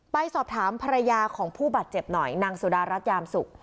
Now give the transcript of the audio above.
ไปสอบถามภรรยาของผู้บาดเจ็บหน่อยนางสุดารัฐยามสุก